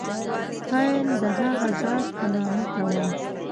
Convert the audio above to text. پیل د هغه ذات په نامه کوم.